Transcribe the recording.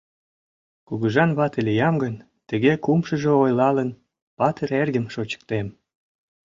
«Кугыжан вате лиям гын, Тыге кумшыжо ойлалын, Патыр эргым шочыктем